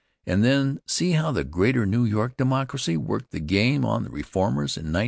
And then see how the Greater New York Democracy worked the game on the reformers in 1901!